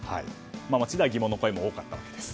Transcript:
街では疑問の声が多かったわけです。